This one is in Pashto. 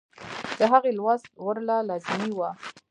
د هغې لوست ورله لازمي وۀ -